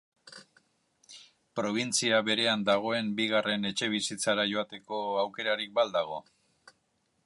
Probintzia berean dagoen bigarren etxebizitzara joateko aukerarik ba al dago?